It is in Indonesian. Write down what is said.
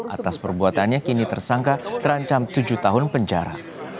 atas perbuatannya kini tersangka terancam tujuh tahun penjara